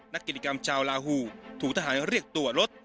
นักกิจกรรมชาวลาหูถูกทหารเรียกตัวรถ